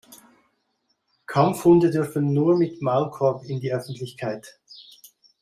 Kampfhunde dürfen nur mit Maulkorb in die Öffentlichkeit.